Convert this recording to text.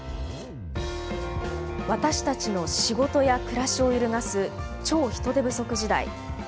私たちの仕事や暮らしを揺るがす「超・人手不足時代」。